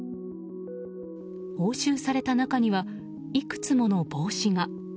押収された中にはいくつもの帽子が。